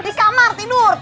di kamar tidur tut